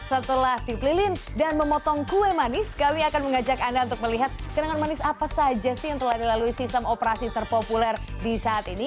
setelah dipelilin dan memotong kue manis kami akan mengajak anda untuk melihat kenangan manis apa saja sih yang telah dilalui sistem operasi terpopuler di saat ini